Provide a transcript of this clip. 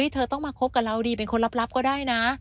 เธอต้องมาคบกับเราดีเป็นคนลับก็ได้นะ